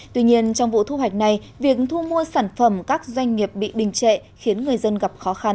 tuy nhiên trong vụ thu hoạch này việc thu mua sản phẩm các doanh nghiệp bị đình trệ khiến người dân gặp khó khăn